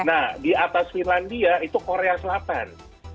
nah di atas finlandia itu korea selatan